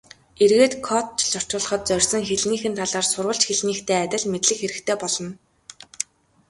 Эргээд кодчилж орчуулахад зорьсон хэлнийх нь талаар сурвалж хэлнийхтэй адил мэдлэг хэрэгтэй болно.